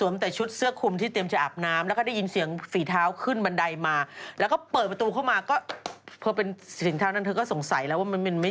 เพราะเป็นสิ่งเท้านั้นเธอก็สงสัยแล้วว่า